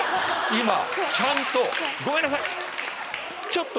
今ちゃんと「ごめんなさい」。手つきが。